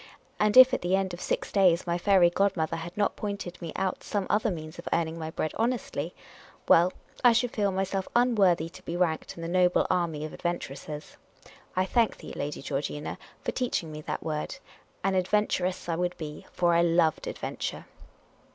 And if at the end of six days my fairy godmother had not pointed me out some other means of earning my bread honestly — well, I should feel myself unworthy to be ranked in the noble army of adventuresses. I thank thee, Lady Georgina, for teaching me that word. An adventuress I would be ; for I loved adventure.